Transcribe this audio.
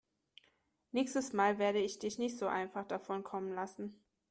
Nächstes Mal werde ich dich nicht so einfach davonkommen lassen.